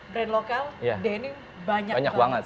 brand lokal danny banyak banget